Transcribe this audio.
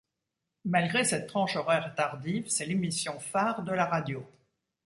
Malgré cette tranche-horaire tardive, c'est l'émission-phare de la radio.